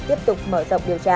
tiếp tục mở rộng điều tra